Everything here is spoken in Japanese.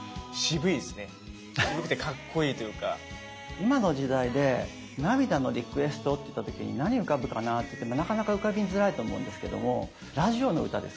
今の時代で涙のリクエストっていった時に何浮かぶかなっていってなかなか浮かびづらいと思うんですけどもラジオの歌です